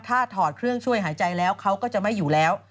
ถ้าถอดเครื่องช่วยหายใจแล้วเขาก็จะไม่อยู่แล้ว